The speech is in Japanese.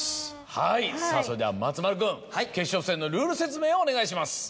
はいさぁそれでは松丸君決勝戦のルール説明をお願いします。